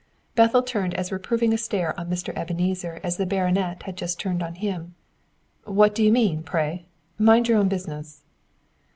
Bethel turned as reproving a stare on Mr. Ebenezer as the baronet had just turned on him. "What do you mean, pray? Mind your own business."